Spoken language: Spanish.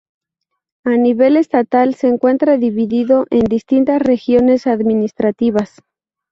A nivel estatal se encuentra dividido en distintas Regiones administrativas.